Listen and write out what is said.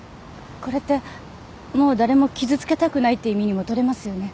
これってもう誰も傷つけたくないって意味にもとれますよね？